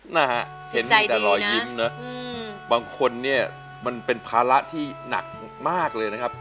นะฮะเห็นมีแต่รอยยิ้มนะบางคนเนี่ยมันเป็นภาระที่หนักมากเลยนะครับ